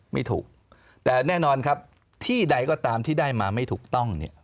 ไม่ถูกแต่แน่นอนครับที่ใดก็ตามที่ได้มาไม่ถูกต้องเนี่ย